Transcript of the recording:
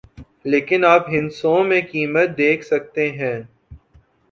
لیکن آپ ہندسوں میں قیمت دیکھ سکتے ہیں